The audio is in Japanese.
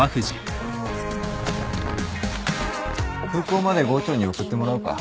空港まで郷長に送ってもらうか？